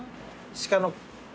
鹿の。